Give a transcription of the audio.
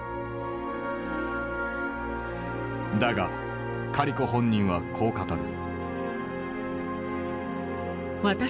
だがカリコ本人はこう語る。